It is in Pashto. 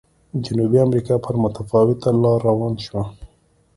جنوبي امریکا پر متفاوته لار روانه شوه.